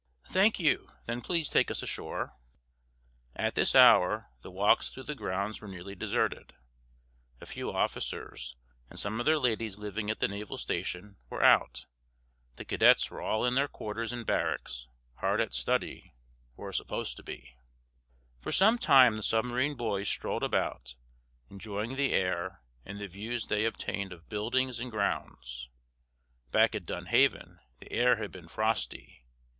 "Thank you. Then please take us ashore." At this hour the walks through the grounds were nearly deserted. A few officers, and some of their ladies living at the naval station, were out. The cadets were all in their quarters in barracks, hard at study, or supposed to be. For some time the submarine boys strolled about, enjoying the air and the views they obtained of buildings and grounds. Back at Dunhaven the air had been frosty.